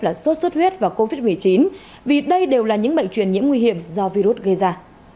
là sốt xuất huyết và covid một mươi chín vì đây đều là những bệnh truyền nhiễm nguy hiểm do virus gây ra